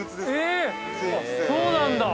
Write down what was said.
そうなんだ。